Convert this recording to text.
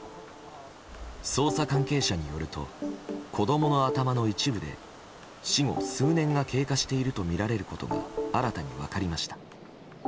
捜査関係者によると子供の頭の一部で死後数年が経過しているとみられることが新たに分かりました。